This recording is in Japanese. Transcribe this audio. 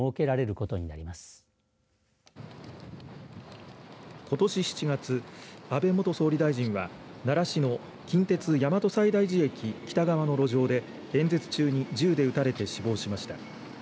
ことし７月、安倍元総理大臣は奈良市の近鉄大和西大寺駅北側の路上で演説中に銃で撃たれて死亡しました。